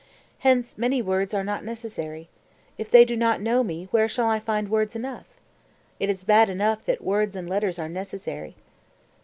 Hence many words are not necessary. If they do not know me where shall I find words enough? It is bad enough that words and letters are necessary."